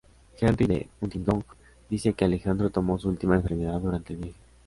Henry de Huntingdon dice que Alejandro tomó su última enfermedad durante el viaje.